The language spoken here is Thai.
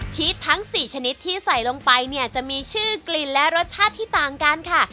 ชีสทั้ง๔ชนิดที่ใส่ลงไปเนี่ยจะมีชื่อกลิ่นและรสชาติที่ต่างกันค่ะ